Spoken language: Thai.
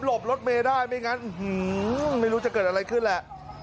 บรถเมย์ได้ไม่งั้นไม่รู้จะเกิดอะไรขึ้นแหละ